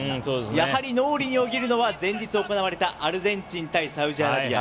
やはり脳裏によぎるのは前日行われたアルゼンチン対サウジアラビア。